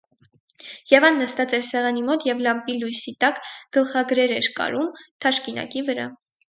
Եվան նստած էր սեղանի մոտ և լամպի լույսի տակ գլխագրեր էր կարում թաշկինակի վրա: